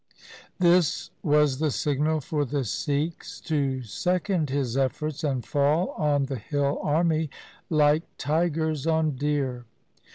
This was the signal for the Sikhs to second his efforts and fall on the hill army like tigers on deer.